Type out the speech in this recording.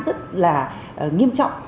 rất là nghiêm trọng